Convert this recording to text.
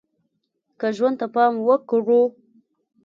که ژوند ته پام وکړو